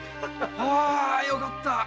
あよかった。